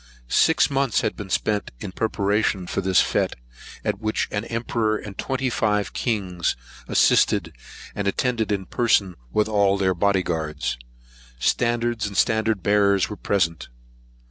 Six months had been spent in preparations for this fête, at which an emperor and twenty five kings assisted and attended in person with all their body guards, standards, and standard bearers, were present.